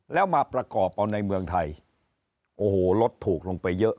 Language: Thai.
แล้วมาประกอบเอาในเมืองไทยโอ้โหรถถูกลงไปเยอะ